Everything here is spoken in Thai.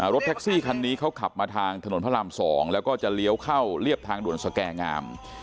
รถแท็กซี่คันนี้เขาขับมาทางถนนพระราม๒แล้วก็จะเลี้ยวเข้าเรียบทางด่วนสแก่งาม